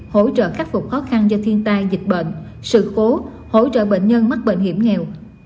hỗ trợ khắc phục khó khăn do thiên tai dịch bệnh sự cố hỗ trợ bệnh nhân mắc bệnh hiểm nghèo